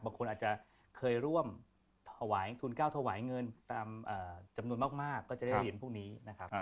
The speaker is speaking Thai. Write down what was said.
บางคนอาจจะเคยร่วมถวายทุนก้าวถวายเงินตามจำนวนมากก็จะได้เหรียญพวกนี้นะครับ